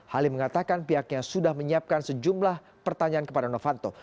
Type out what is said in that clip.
halim mengatakan pihaknya sudah menyiapkan sejumlah pertanyaan kepada novanto